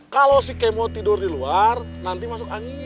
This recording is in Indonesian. kalau si kemote tidur di luar nanti masuk angin